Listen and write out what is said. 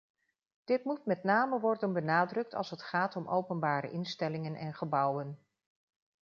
Dit moet met name worden benadrukt als het gaat om openbare instellingen en gebouwen.